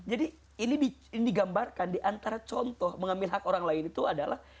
jadi ini digambarkan diantara contoh mengambil hak orang lain itu adalah